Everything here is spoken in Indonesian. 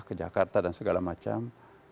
ke jakarta dan segala macam